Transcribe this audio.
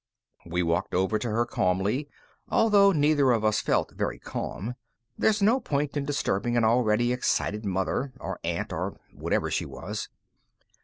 We walked over to her calmly, although neither one of us felt very calm. There's no point in disturbing an already excited mother or aunt or whatever she was.